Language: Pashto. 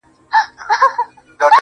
که غنمرنگ ، کښته سي پورته سي~